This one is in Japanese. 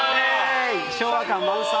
昭和感満載。